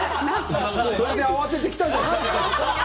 それで慌てて来たとか？